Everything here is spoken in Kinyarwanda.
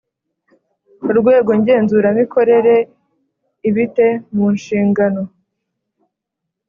urwegongenzuramikorere ibite munshingano